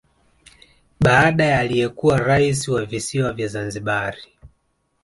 Baada ya aliyekuwa rais wa Visiwa vya Zanzibari